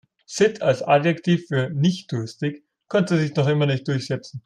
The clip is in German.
Sitt als Adjektiv für nicht-durstig konnte sich noch immer nicht durchsetzen.